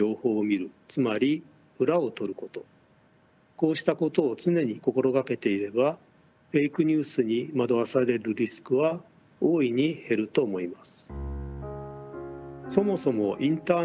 こうしたことを常に心掛けていればフェイクニュースに惑わされるリスクは大いに減ると思います。